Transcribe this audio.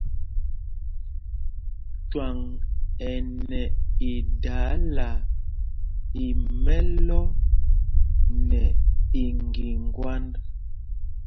Cwâŋ ɛ nɛ idaala í mɛ̄lɔ̄ nɛ iŋgiŋgwand.